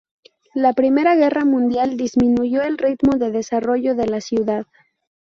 La Primera Guerra Mundial disminuyó el ritmo de desarrollo de la ciudad.